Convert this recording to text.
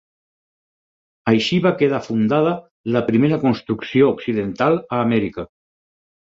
Així va quedar fundada la primera construcció occidental a Amèrica.